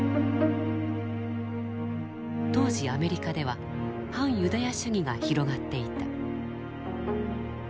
当時アメリカでは反ユダヤ主義が広がっていた。